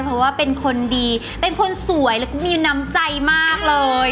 เพราะว่าเป็นคนดีเป็นคนสวยแล้วก็มีน้ำใจมากเลย